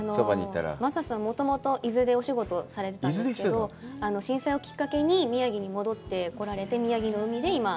正さんはもともと伊豆でお仕事をされていたんですけど、震災をきっかけに宮城に戻ってこられて、宮城の海で今。